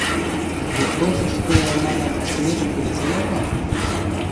— Допросышты, манам, ӹшкӹметӹм келесенӓт ма?